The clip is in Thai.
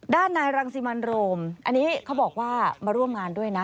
ด้านนายรังสิมันโรมอันนี้เขาบอกว่ามาร่วมงานด้วยนะ